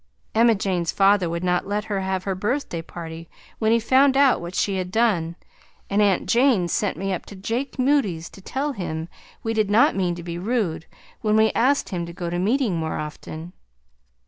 Emma Jane's father would not let her have her birthday party when he found out what she had done and Aunt Jane sent me up to Jake Moody's to tell him we did not mean to be rude when we asked him to go to meeting more often.